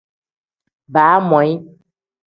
Baamoyi.